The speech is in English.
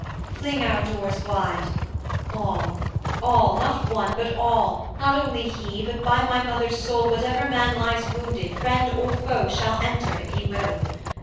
'Fling our doors wide! all, all, not one, but all, Not only he, but by my mother's soul, Whatever man lies wounded, friend or foe, Shall enter, if he will.